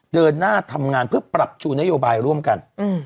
เดินหน้าทำงานเพื่อปรับชูนโยบายร่วมกัน